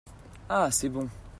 Ah, c'est bon !